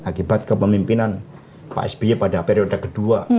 akibat kepemimpinan pak sby pada periode kedua